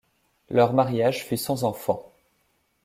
Leur mariage fut sans enfant.